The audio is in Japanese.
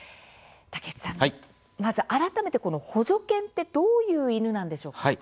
竹内さん、まず改めて補助犬ってどういう犬なんでしょうか？